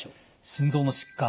心臓の疾患